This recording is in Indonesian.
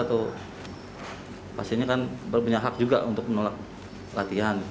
atau pasiennya kan punya hak juga untuk menolak latihan